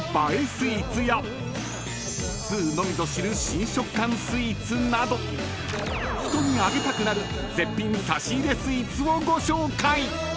スイーツやツウのみぞ知る新食感スイーツなど人にあげたくなる絶品差し入れスイーツをご紹介］